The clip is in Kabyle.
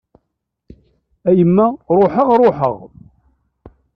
A yemma ruḥeɣ ruḥeɣ.